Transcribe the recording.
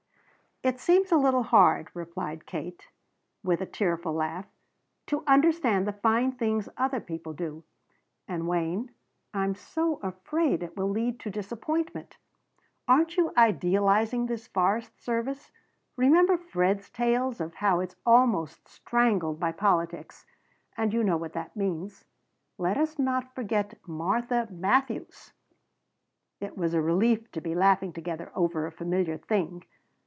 "It seems a little hard," replied Katie with a tearful laugh, "to understand the fine things other people do. And, Wayne, I'm so afraid it will lead to disappointment! Aren't you idealizing this forest service? Remember Fred's tales of how it's almost strangled by politics. And you know what that means. Let us not forget Martha Matthews!" It was a relief to be laughing together over a familiar thing.